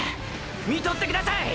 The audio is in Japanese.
見とってください！！